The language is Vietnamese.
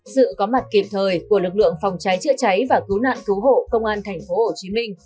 sự có mặt kịp thời của lực lượng phòng cháy chữa cháy và cứu nạn cứu hộ công an thành phố hồ chí minh